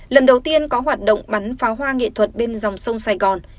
lần đầu tiên có hoạt động bắn pháo hoa nghệ thuật bên dòng sông sài gòn